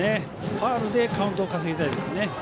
ファウルでカウントを稼ぎたいです。